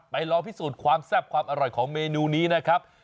ลองพิสูจน์ความแซ่บความอร่อยของเมนูนี้นะครับ